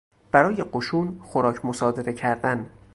برای قشون خوراک مصادره کردن